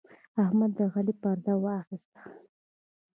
احمد د علي پرده واخيسته.